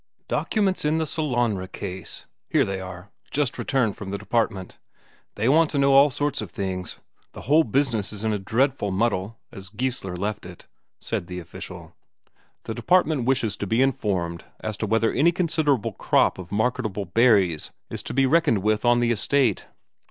"Documents in the Sellanraa case ...? Here they are, just returned from the Department. They want to know all sorts of things the whole business is in a dreadful muddle, as Geissler left it," said the official. "The Department wishes to be informed as to whether any considerable crop of marketable berries is to be reckoned with on the estate.